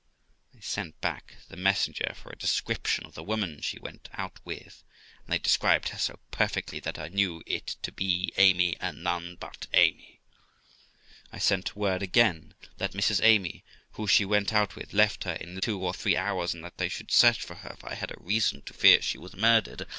I sent back the messenger for a description of the woman she went out with; and they described her so perfectly, that I knew it to be Amy, and none but Amy. I sent word again that Mrs Amy, who she went out with, left her in two or three hours, and that they should search for her, for I had a reason to fear she was murdered.